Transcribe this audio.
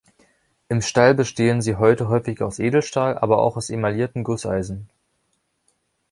Im Stall bestehen sie heute häufig aus Edelstahl, aber auch aus emailliertem Gusseisen.